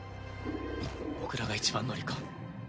僕らが一番乗りか。